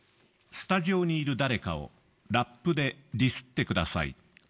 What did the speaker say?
スタジオにいる誰かをラップでディスってください。